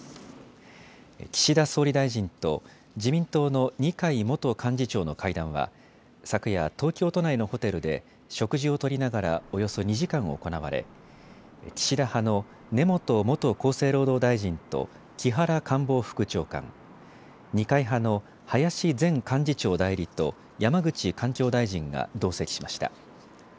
岸田総理大臣と自民党の二階元幹事長の会談は昨夜、東京都内のホテルで食事をとりながらおよそ２時間行われ岸田派の根本元厚生労働大臣と木原官房副長官、二階派の林前幹事長代理と山口環境大臣が同席しました。